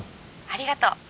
ありがとう。